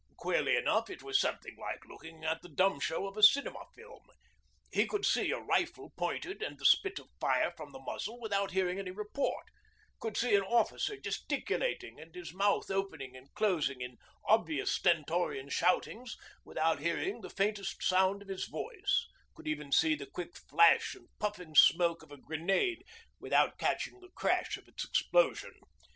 Queerly enough, it was something like looking at the dumb show of a cinema film. He could see a rifle pointed and the spit of flame from the muzzle without hearing any report, could see an officer gesticulating and his mouth opening and closing in obvious stentorian shoutings without hearing the faintest sound of his voice, could even see the quick flash and puffing smoke of a grenade without catching the crash of its explosion.